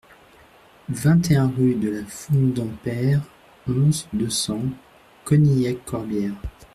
vingt et un rue de la Foun d'en Peyre, onze, deux cents, Conilhac-Corbières